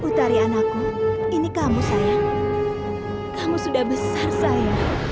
putari anakku ini kamu sayang kamu sudah besar saya